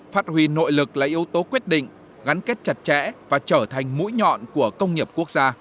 phát huy nội lực là yếu tố quyết định gắn kết chặt chẽ và trở thành mũi nhọn của công nghiệp quốc gia